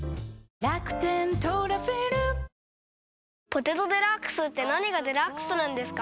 「ポテトデラックス」って何がデラックスなんですか？